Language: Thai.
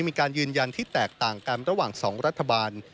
มีการยืนยันที่แตกต่างกันระหว่าง๒รัฐบาล